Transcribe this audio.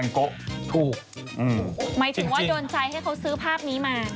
หมายถึงว่าโดนใจให้เขาซื้อภาพนี้มา